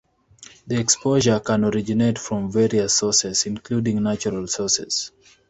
The exposure can originate from various sources, including natural sources.